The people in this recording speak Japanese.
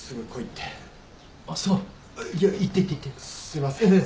すいません。